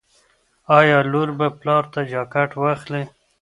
ایا لور به پلار ته جاکټ واخلي؟